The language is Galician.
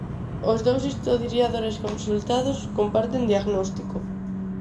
Os dous historiadores consultados comparten diagnóstico.